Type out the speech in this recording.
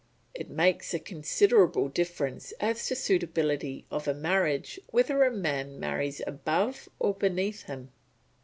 It makes a considerable difference as to the suitability of a marriage whether a man marries above or beneath him.